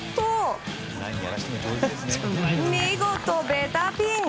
見事、ベタピン！